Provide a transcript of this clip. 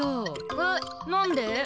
えっなんで？